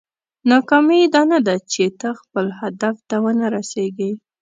ناکامي دا نه ده چې ته خپل هدف ته ونه رسېږې.